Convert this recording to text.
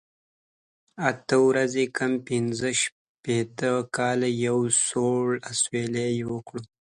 اته ورځې کم پنځه شپېته کاله، یو سوړ اسویلی یې وکړ.